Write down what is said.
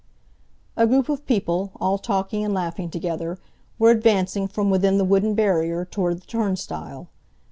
A group of people, all talking and laughing together; were advancing, from within the wooden barrier, toward the turnstile.